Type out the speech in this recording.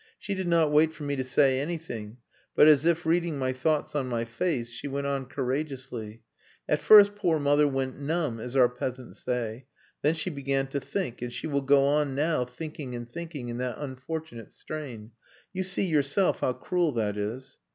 She did not wait for me to say anything, but as if reading my thoughts on my face she went on courageously "At first poor mother went numb, as our peasants say; then she began to think and she will go on now thinking and thinking in that unfortunate strain. You see yourself how cruel that is...."